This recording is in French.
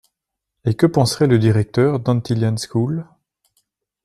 Et que penserait le directeur d’Antilian School...